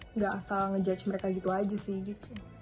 nggak asal ngejudge mereka gitu aja sih gitu